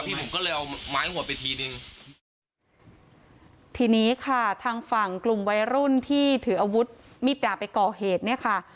ผมก็เลยเอาไม้หัวไปทีนึงทีนี้ค่ะทางฝั่งกลุ่มวัยรุ่นที่ถืออาวุธมีดดาบไปก่อเหตุเนี่ยค่ะ